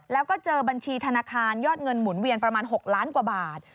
แล้วก็เจอบัญชีธนาคารยอดเงินหมุนเวียนประมาณ๖ล้านกว่าบาท